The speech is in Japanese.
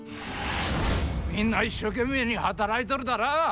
みんな一生懸命に働いとるだら？